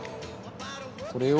これを。